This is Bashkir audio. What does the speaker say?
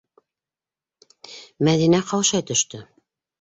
- Мәҙинә ҡаушай төштө.